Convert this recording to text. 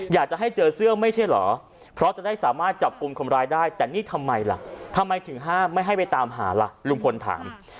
อยากจะให้เจอเสื้อไม่ใช่เหรอเพราะจะได้สามารถจับกลุ่มคนร้ายได้แต่นี่ทำไมล่ะทำไมถึงห้ามไม่ให้ไปตามหาล่ะลุงพลถาม